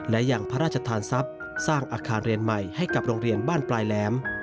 และยังพระราชทานทรัพย์สร้างอาคารเรียนใหม่ให้กับโรงเรียนบ้านปลายแหลม